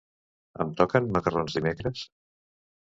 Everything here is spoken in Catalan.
Em toquen macarrons dimecres?